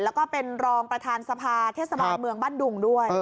แล้วก็เป็นรองประธานสภาเทศบาลเมืองบ้านดุงด้วย